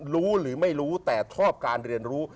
รู้หรือไม่รู้แต่ชอบการเรียนรู้